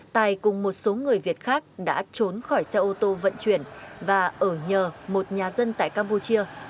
tài cùng một số người việt khác đã trốn khỏi xe ô tô vận chuyển và ở nhờ một nhà dân tại campuchia